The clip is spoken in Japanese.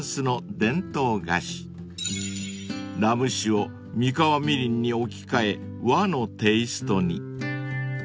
［ラム酒を三河みりんに置き換え和のテイストに］